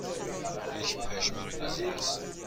یک پشه مرا گزیده است.